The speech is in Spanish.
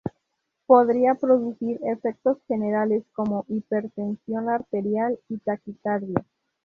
Podría producir efectos generales como hipertensión arterial y taquicardia.